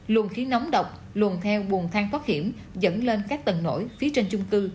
luồn khí nóng độc luồn theo buồn thang thoát hiểm dẫn lên các tầng nổi phía trên chung cư